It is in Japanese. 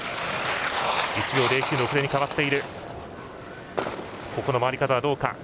１秒０９の遅れに変わっている。